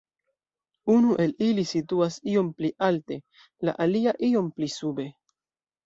Unu el ili situas iom pli alte, la alia iom pli sube.